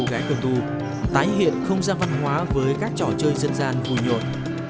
gái cơ tu tái hiện không gian văn hóa với các trò chơi dân gian vui nhộn